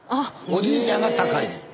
おじいちゃんが高いねん。